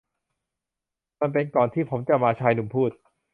มันเป็นก่อนที่ผมจะมา ชายหนุ่มพูด